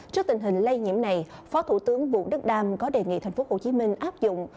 trước tình hình lây nhiễm này phó thủ tướng vũ đức đam có đề nghị tp hcm áp dụng